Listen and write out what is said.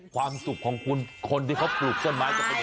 ความสุขของคุณคนที่เขาปลูกต้นไม้จะเป็นยังไง